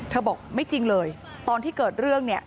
บอกไม่จริงเลยตอนที่เกิดเรื่องเนี่ย